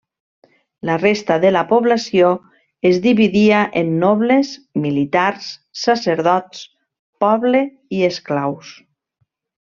La resta de la població es dividia en nobles, militars, sacerdots, poble i esclaus.